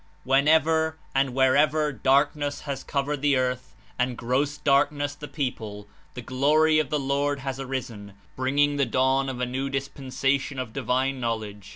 Whenever and wherever ''darkness has covered the earth and gross darkness the people," "the glory of the Lord has arisen," bringing the dawn of a new 25 dispensation of divine knowledge.